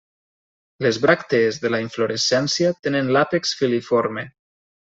Les bràctees de la inflorescència tenen l'àpex filiforme.